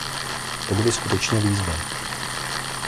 To bude skutečná výzva!